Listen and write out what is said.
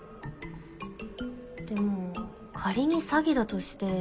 でも仮に詐欺だとして。